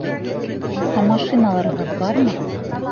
Ә машиналарығыҙ бармы?